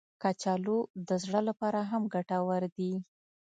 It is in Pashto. کچالو د زړه لپاره هم ګټور دي